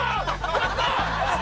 やった！